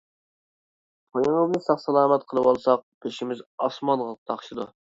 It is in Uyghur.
تويىڭىزنى ساق-سالامەت قىلىۋالساق، بېشىمىز ئاسمانغا تاقىشىدۇ.